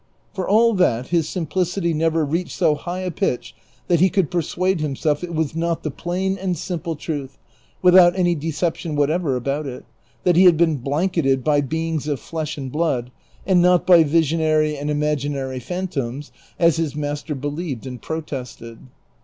For all that his simplicity never reached so high a pitch that he could per suade himself it was not the plain and simple truth, without any deception whatever about it, that he had been blanketed by beings of flesh and blood, and not by visionary and imagi nary phantoms, as his master believed and protested.